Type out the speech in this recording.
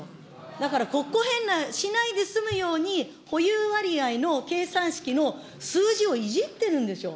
だから国庫返納しないで済むように保有割合の計算式の数字をいじってるんでしょう。